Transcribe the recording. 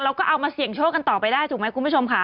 เอามาเสี่ยงโชคกันต่อไปได้ถูกไหมคุณผู้ชมค่ะ